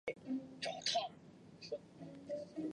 足利义持是第三代将军足利义满的庶子。